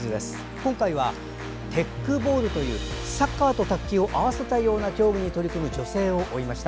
今回はテックボールというサッカーと卓球を合わせたような競技に取り組む女性を追いました。